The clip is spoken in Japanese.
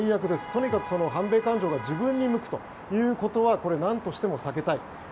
とにかく反米感情が自分に向くということはこれ、なんとしても避けたい。